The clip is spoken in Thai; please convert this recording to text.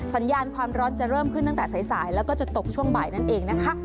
สัญญาณความร้อนจะเริ่มขึ้นตั้งแต่สายแล้วก็จะตกช่วงบ่ายนั่นเองนะคะ